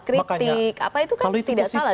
kritik apa itu kan tidak salah